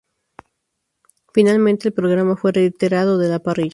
Finalmente el programa fue retirado de la parrilla.